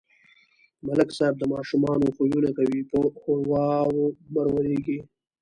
ملک صاحب د ماشومانو خویونه کوي په ښوراو مرورېږي.